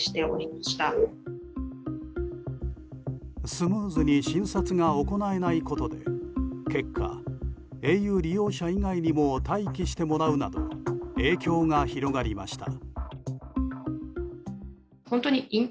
スムーズに診察が行えいことで結果、ａｕ利用者以外にも待機してもらうなど影響が広がりました。